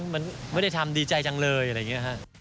มันไม่ได้ทำดีใจจังเลยอะไรอย่างนี้ฮะ